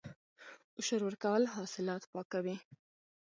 عشر ورکول حاصلات پاکوي.